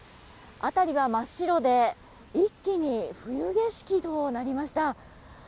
辺りは真っ白で一気に冬景色となりました。